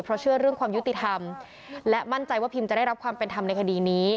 เพราะเชื่อเรื่องความยุติธรรมและมั่นใจว่าพิมจะได้รับความเป็นธรรมในคดีนี้